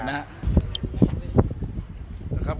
นะครับ